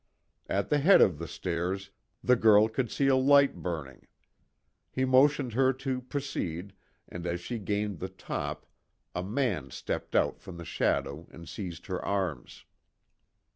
At the head of the stairs the girl could see a light burning. He motioned her to proceed, and as she gained the top, a man stepped out from the shadow and seized her arms.